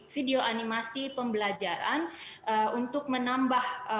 video animasi pembelajaran untuk menambah